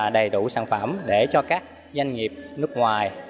đầy đủ sản phẩm để cho các doanh nghiệp nước ngoài